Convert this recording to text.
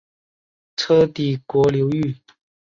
车底国流域。